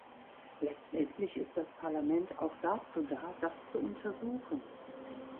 Letztendlich ist das Parlament auch dazu da, das zu untersuchen.